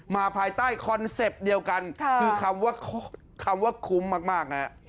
มาภายใต้คอนเซปต์เดียวกันคือคำว่าคุ้มมาก